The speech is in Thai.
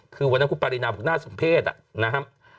คือวันนั้นคุณปรินาบุญน่าสมเพศนะครับ